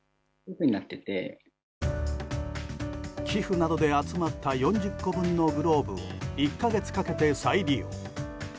寄付などで集まった４０個分のグローブを１か月かけて再利用。